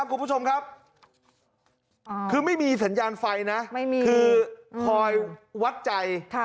คุณผู้ชมครับคือไม่มีสัญญาณไฟนะคือคอยวัดใจ